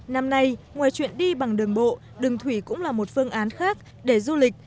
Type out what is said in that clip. năm nay ngoài chuyện đi bằng đường bộ đường thủy cũng là một phương án khác để du lịch